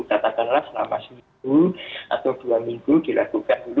katakanlah selama seminggu atau dua minggu dilakukan dulu